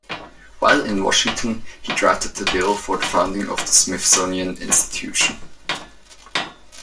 While in Washington, he drafted the bill for the founding of the Smithsonian Institution.